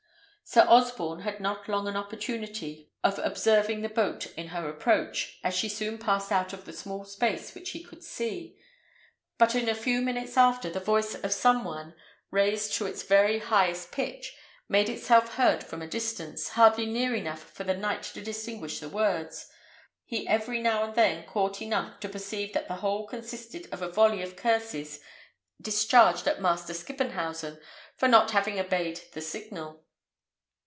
Sir Osborne had not long an opportunity of observing the boat in her approach, as she soon passed out of the small space which he could see; but in a few minutes after, the voice of some one, raised to its very highest pitch, made itself heard from a distance, hardly near enough for the knight to distinguish the words, though he every now and then caught enough to perceive that the whole consisted of a volley of curses discharged at Master Skippenhausen for not having obeyed the signal.